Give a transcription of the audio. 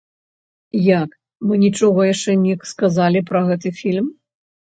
Як, мы нічога яшчэ не сказалі пра гэты фільм?